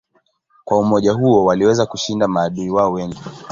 Kwa umoja huo waliweza kushinda maadui wao wengi.